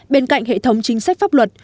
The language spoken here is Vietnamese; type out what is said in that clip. bên cạnh hệ thống chính sách pháp luật